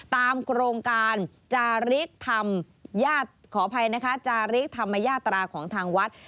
ตามโครงการจาริกธรรมยาตราของทางวัด